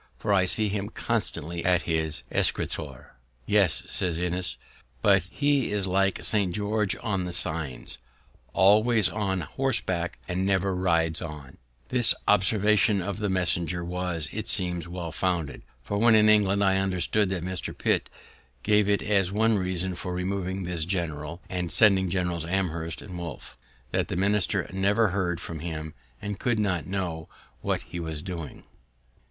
for I see him constantly at his escritoire." "Yes," says Innis, "but he is like St. George on the signs, always on horseback, and never rides on." This observation of the messenger was, it seems, well founded; for, when in England, I understood that Mr. Pitt gave it as one reason for removing this general, and sending Generals Amherst and Wolfe, that the minister never heard from him, and could not know what he was doing.